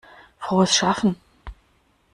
Frohes Schaffen!